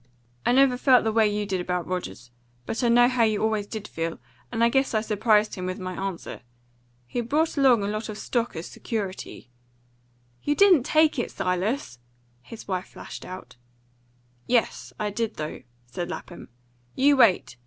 "I never felt the way you did about Rogers, but I know how you always did feel, and I guess I surprised him with my answer. He had brought along a lot of stock as security " "You didn't take it, Silas!" his wife flashed out. "Yes, I did, though," said Lapham. "You wait.